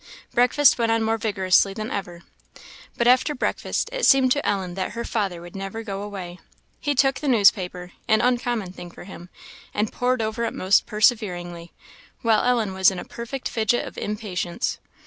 Breakfast went on more vigorously than ever. But after breakfast it seemed to Ellen that her father never would go away. He took the newspaper, an uncommon thing for him, and pored over it most perseveringly, while Ellen was in a perfect fidget of impatience.